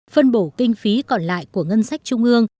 phân bổ kinh phí còn lại của ngân sách trung ương